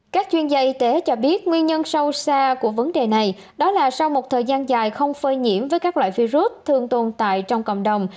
các chuyên gia y tế cho biết nguyên nhân sâu xa của vấn đề này đó là sau một thời gian dài không phơi nhiễm với các loại virus thường tồn tại trong cộng đồng